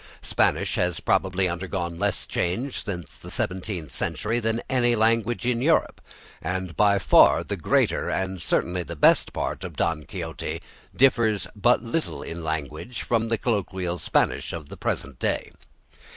Spanish has probably undergone less change since the seventeenth century than any language in Europe, and by far the greater and certainly the best part of "Don Quixote" differs but little in language from the colloquial Spanish of the present day.